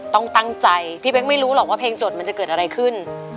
ต้องตั้งใจพี่เป๊กไม่รู้หรอกว่าเพลงจดมันจะเกิดอะไรขึ้น